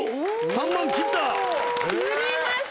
３万円切った。